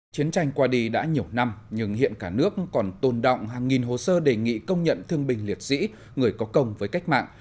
chiến tranh qua đi đã nhiều năm nhưng hiện cả nước còn tồn động hàng nghìn hồ sơ đề nghị công nhận thương bình liệt sĩ người có công với cách mạng